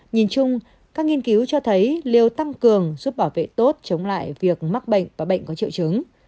nhìn chung các nghiên cứu cho thấy liều tăng cường giúp bảo vệ tốt chống lại việc mắc bệnh và bệnh có triệu chứng